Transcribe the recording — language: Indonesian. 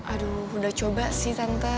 aduh udah coba sih tante